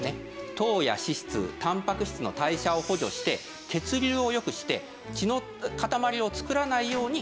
糖や脂質たんぱく質の代謝を補助して血流を良くして血のかたまりを作らないように働きかけてくれます。